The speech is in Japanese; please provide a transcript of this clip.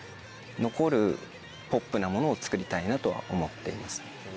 ポップなものを作りたいなとは思っています。